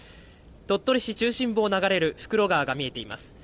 鳥取市中心部を流れる袋川が見えています。